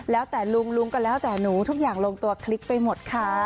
แล้วแต่ลุงลุงก็แล้วแต่หนูทุกอย่างลงตัวคลิกไปหมดค่ะ